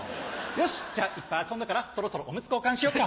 よしじゃあいっぱい遊んだからそろそろオムツ交換しようか。